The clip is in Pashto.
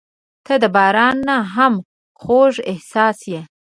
• ته د باران نه هم خوږه احساس یې.